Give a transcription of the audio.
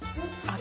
あ！